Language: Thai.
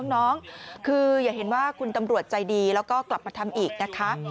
น้องคืออย่าเห็นว่าคุณตำรวจใจดีแล้วก็กลับมาทำอีกนะคะ